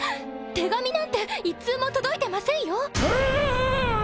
手紙なんて一通も届いてませんよええ！